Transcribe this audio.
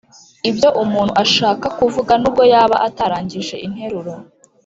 ibyo umuntu ashaka kuvuga nubwo yaba atarangije interuro